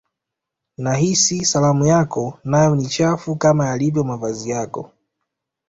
nahisi salamu yako nayo ni chafu kama yalivyo mavazi yako